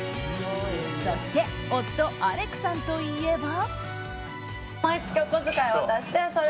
そして、夫アレクさんといえば。